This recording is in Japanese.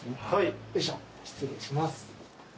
よいしょ失礼します。